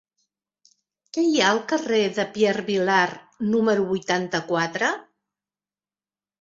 Què hi ha al carrer de Pierre Vilar número vuitanta-quatre?